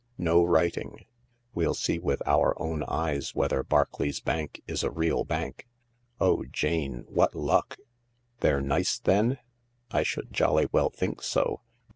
No writing. We'll see with our own eyes whether Barclay's Bank is a real bank. Oh, Jane, what luck I " "They're nice, then ?"" I should jolly well think so.